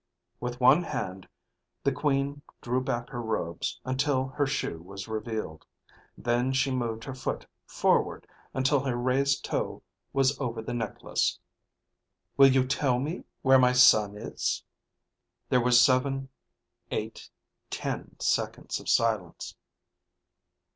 With one hand the Queen drew back her robes until her shoe was revealed. Then she moved her foot forward until her raised toe was over the necklace. "Will you tell me where my son is?" There was seven, eight, ten seconds of silence.